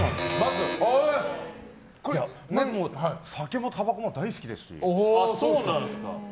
酒も、たばこも大好きですし。